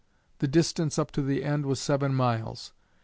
The distance up to the end was seven miles.